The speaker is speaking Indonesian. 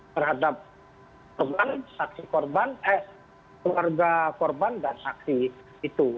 berhadap korban saksi korban keluarga korban dan saksi itu